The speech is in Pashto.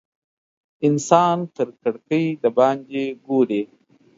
انسان تر کړکۍ د باندې ګوري.